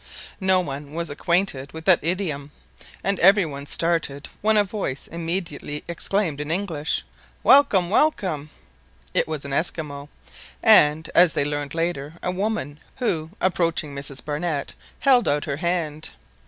No one was acquainted with that idiom, and every one started when a voice immediately exclaimed in English, "Welcome! welcome !" It was an Esquimaux, and, as they learned later, a woman, who, approaching Mrs Barnett, held out her hand.